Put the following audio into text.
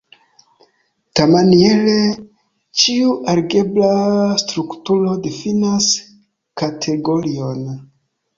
Tiamaniere, ĉiu algebra strukturo difinas kategorion.